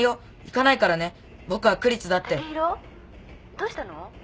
どうしたの？